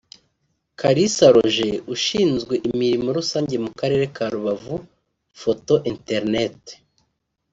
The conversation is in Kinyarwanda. Kalisa Roger ushinzwe imirimo rusange mu karere ka Rubavu/Foto Internet